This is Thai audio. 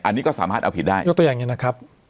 อันนี้ก็สามารถเอาผิดได้ยกตัวอย่างนี้นะครับ